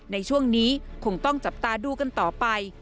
ในช่วงนี้คงต้องจับตาดูกันต่อไป